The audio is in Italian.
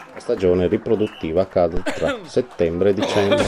La stagione riproduttiva cade fra settembre e dicembre.